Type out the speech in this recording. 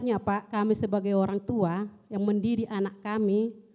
bapak kami sebagai orang tua yang mendiri anak kami